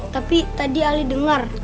tapi tadi ali dengar